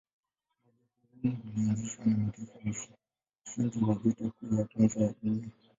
Umoja huo ulianzishwa na mataifa washindi wa Vita Kuu ya Kwanza ya Dunia.